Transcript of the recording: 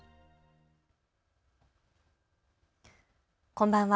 こんばんは。